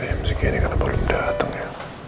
emziki ini kenapa belum datang ya